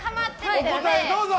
お答え、どうぞ。